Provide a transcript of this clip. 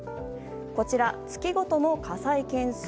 こちら、月ごとの火災件数。